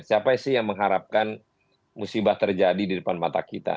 siapa sih yang mengharapkan musibah terjadi di depan mata kita